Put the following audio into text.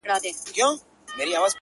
• لس پنځلس ورځي وروسته وه جشنونه,